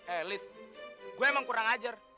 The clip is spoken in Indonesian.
eh lis gue emang kurang ajar